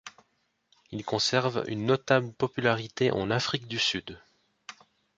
Il conserve une notable popularité en Afrique du Sud.